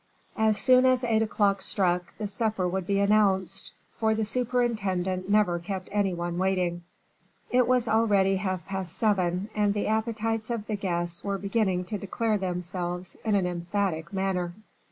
As soon as eight o'clock struck the supper would be announced, for the superintendent never kept any one waiting. It was already half past seven, and the appetites of the guests were beginning to declare themselves in an emphatic manner.